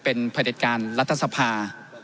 เป็นผลิตการรัฐสภา